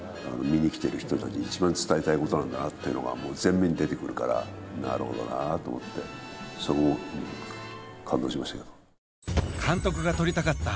見に来てる人たちに一番伝えたいことなんだなっていうのがもう全面に出てくるからなるほどなと思ってそこも感動しましたけど監督が撮りたかった